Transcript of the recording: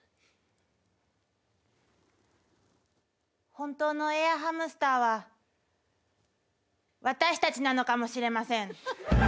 本当のエアハムスターは私たちなのかもしれません。